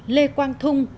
một lê quang thung